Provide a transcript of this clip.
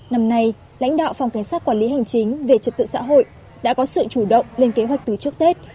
năm nay lãnh đạo phòng cảnh sát quản lý hành chính về trật tự xã hội đã có sự chủ động lên kế hoạch từ trước tết